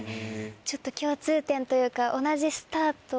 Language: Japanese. ちょっと共通点というか同じスタート。